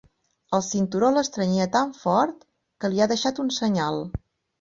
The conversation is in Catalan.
El cinturó l'estrenyia tan fort que li ha deixat un senyal.